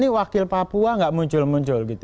ini wakil papua tidak muncul muncul